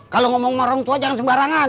kalau ngomong sama orang tua jangan sembarangan